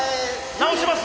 直します？